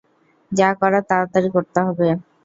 যা করার তাড়াতাড়ি করতে হবে।